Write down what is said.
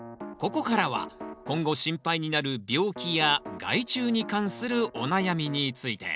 ここからは今後心配になる病気や害虫に関するお悩みについて。